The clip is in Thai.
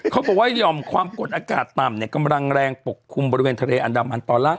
เขาบอกว่ายอมความกดอากาศต่ำกำลังแรงปกคลุมบริเวณทะเลอันดามันตอนล่าง